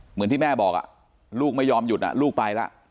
เหมือนที่แม่บอกลูกไม่ยอมหยุดลูกไปแล้ว